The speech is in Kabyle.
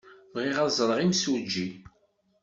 Bɣiɣ ad ẓreɣ imsujji.